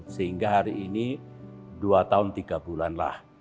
sehingga hari ini dua tahun tiga bulan lah